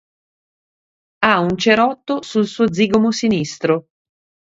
Ha un cerotto sul suo zigomo sinistro.